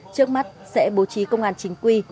trước mắt sẽ bố trí công an chính quy